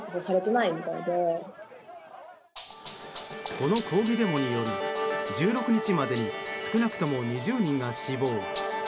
この抗議デモにより１６日までに少なくとも２０人が死亡。